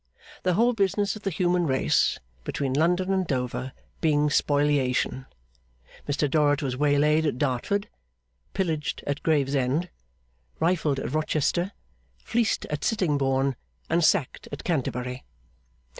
The whole business of the human race, between London and Dover, being spoliation, Mr Dorrit was waylaid at Dartford, pillaged at Gravesend, rifled at Rochester, fleeced at Sittingbourne, and sacked at Canterbury.